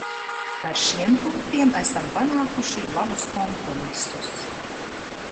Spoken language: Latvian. Par šiem punktiem esam panākuši labus kompromisus.